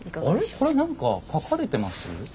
これ何か描かれてます？